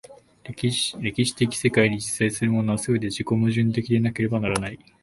歴史的世界に実在するものは、すべて自己矛盾的でなければならない。